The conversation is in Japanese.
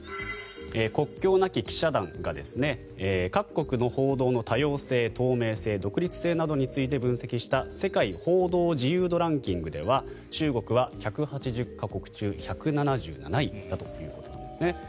国境なき記者団が各国の報道の多様性、透明性独立性などについて分析した世界報道自由度ランキングでは中国は１８０か国中１７７位だということなんですね。